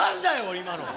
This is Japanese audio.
今の。